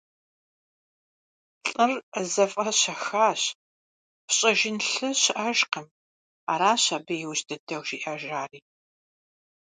Лӏыр зэфӏэщэхащ, «Фщӏэжын лъы щыӏэкъым», — аращ абы иужь дыдэу жиӏэжари.